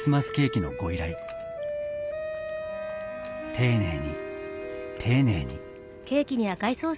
丁寧に丁寧に。